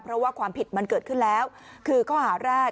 เพราะว่าความผิดมันเกิดขึ้นแล้วคือข้อหาแรก